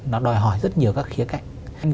nó đòi hỏi rất nhiều các khía cạnh